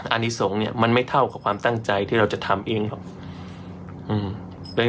อันนี้สงฆ์เนี่ยมันไม่เท่ากับความตั้งใจที่เราจะทำเองหรอก